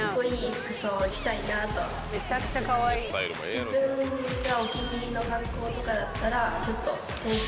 自分が。